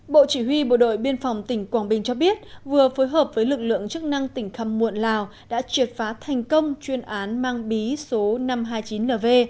bộ chỉ huy bộ đội biên phòng tỉnh quảng bình cho biết vừa phối hợp với lực lượng chức năng tỉnh khăm muộn lào đã triệt phá thành công chuyên án mang bí số năm trăm hai mươi chín nv